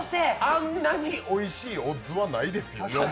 あんなにおいしいオッズはないですよ。